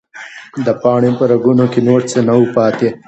د پاڼې په رګونو کې نور څه نه وو پاتې.